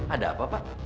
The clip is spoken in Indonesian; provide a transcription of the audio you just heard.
ada apa pak